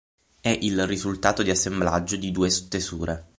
È il risultato di assemblaggio di due stesure.